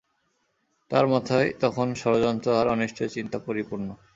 তার মাথায় তখন ষড়যন্ত্র আর অনিষ্টের চিন্তা পরিপূর্ণ।